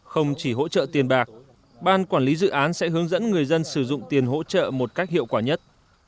không chỉ hỗ trợ tiền bạc ban quản lý dự án sẽ hướng dẫn người dân sử dụng tiền hỗ trợ một cách hiệu quả nhất